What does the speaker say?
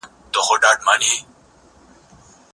د بازار رښتیني حقایق باید هر نوی پیل کوونکی درک کړي.